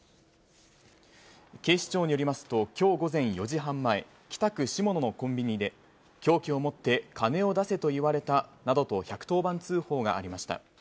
警視庁によりますと、きょう午前４時半前、北区志茂のコンビニで、凶器を持って金を出せと言われたなどと、１１０番通報がありました。